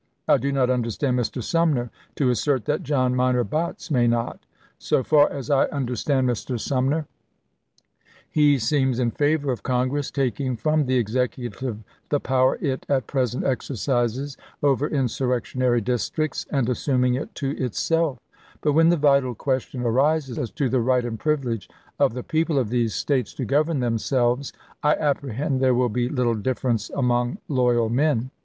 I do not understand Mr. Sumner to assert that John Minor Botts may not. So far as I understand Mr. Sumner, he seems in favor of Congress taking from the Executive the power it at present exercises over insurrectionary districts and assuming it to itself ; but when the vital question arises as to the right and privilege of the people of these States to govern themselves, I apprehend there will be little difference among loyal men.